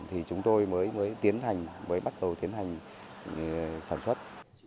thì chúng tôi mới tiến hành mới bắt đầu tiến hành sản xuất